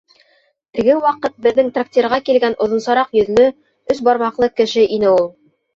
Теге ваҡыт беҙҙең трактирға килгән оҙонсараҡ йөҙлө, өс бармаҡлы кеше ине ул.